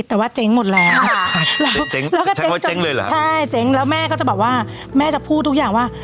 แล้วก็เจ๊งจบใช่เจ๊งแล้วแม่ก็จะบอกว่าแม่จะพูดทุกอย่างว่า